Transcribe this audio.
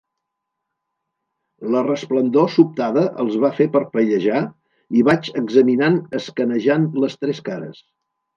La resplendor sobtada els va fer parpellejar, i vaig examinant escanejant les tres cares.